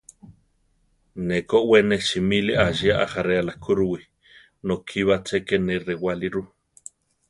Ne ko we ne simíli ásia ajaréala kúruwi; nokí ba ché ké ne rewáli ru.